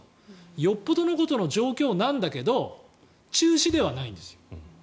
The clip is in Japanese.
よっぽどのことの状況なんだけど中止ではないんですよ。